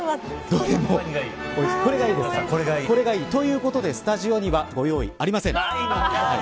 これがいいですか。ということで、スタジオにはご用意、ありません。